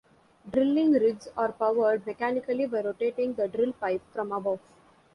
Drilling rigs are powered mechanically by rotating the drill pipe from above.